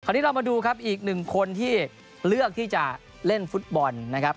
อันนี้เรามาดูครับอีกหนึ่งคนที่เลือกที่จะเล่นฟุตบอลนะครับ